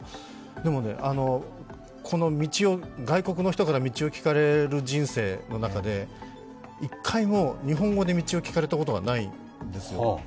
でもね、外国の人から道を聞かれる人生の中で１回も日本語で道を聞かれたことがないんですよ。